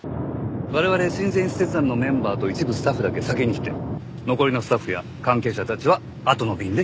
我々親善使節団のメンバーと一部スタッフだけ先に来て残りのスタッフや関係者たちはあとの便で来ます。